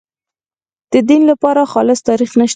د دین لپاره خالص تاریخ نشته.